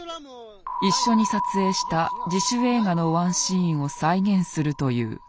一緒に撮影した自主映画のワンシーンを再現するという。